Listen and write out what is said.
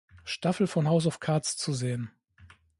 Staffel von "House of Cards" zu sehen.